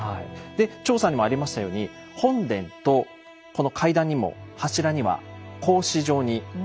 で調査にもありましたように本殿とこの階段にも柱には格子状に横材が。